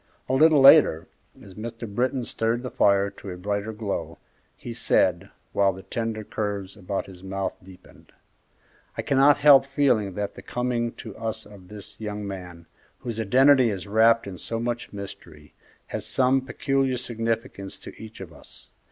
A little later, as Mr. Britton stirred the fire to a brighter glow, he said, while the tender curves about his mouth deepened, "I cannot help feeling that the coming to us of this young man, whose identity is wrapped in so much mystery, has some peculiar significance to each of us.